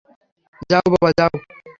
যাও, বাবা যাও।